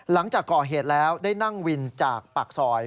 หลังจากก่อเหตุแล้วได้นั่งวินจากปากซอย